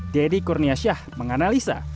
deddy kurniasyah menganalisa